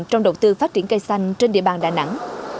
trong đầu tư phát triển cây xanh trên địa bàn đà nẵng